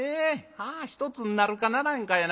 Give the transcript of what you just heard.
１つになるかならんかやな